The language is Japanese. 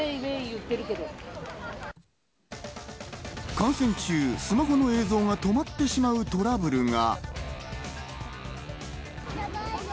観戦中、スマホの映像が止まってしまうトラブルが。